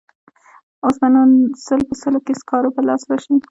اوس به نو سل په سلو کې سکاره په لاس راشي.